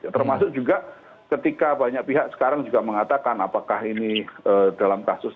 termasuk juga ketika banyak pihak sekarang juga mengatakan apakah ini dalam kasus